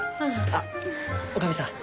あっ女将さん。